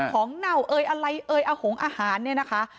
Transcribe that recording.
ของเหน่าเอ๋ยอะไรเอ๋ยเอาหงอาหารเนี่ยนะคะ